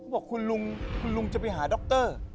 บอกว่าคุณลุงคุณลุงจะไปหาด๊อคเตอร์